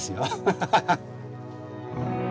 ハハハハ！